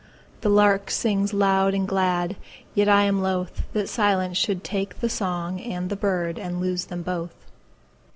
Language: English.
The lark sings loud and glad, Yet I am not lothThat silence should take the song and the birdAnd lose them both.